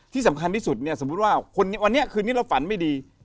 ที่สำคัญที่สุดเนี่ยสมมุติว่าวันนี้คืนนี้เราฝันไม่ดี